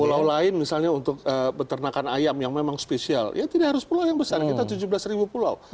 pulau lain misalnya untuk peternakan ayam yang memang spesial ya tidak harus pulau yang besar kita tujuh belas ribu pulau